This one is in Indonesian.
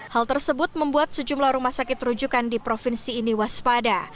hal tersebut membuat sejumlah rumah sakit rujukan di provinsi ini waspada